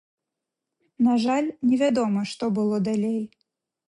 На жаль, невядома, што было далей.